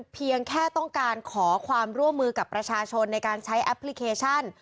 เพียงแค่ต้องการขอความร่วมมือกับประชาชนในการใช้แอปพลิเคชัน